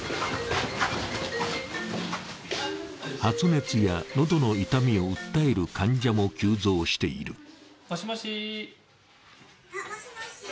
発熱やのどの痛みを訴える患者も急増している。